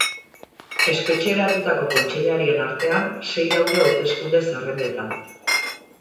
Espetxeratutako kontseilarien artean, sei daude hauteskunde-zerrendetan.